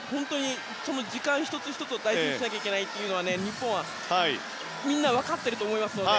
時間１つ１つを大事にしなきゃいけないのは日本はみんな分かっていると思いますので。